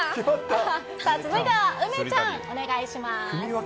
続いては梅ちゃんお願いします。